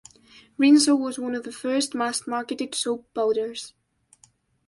Rinso was one of the first mass-marketed soap powders.